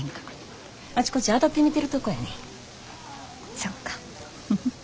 そっか。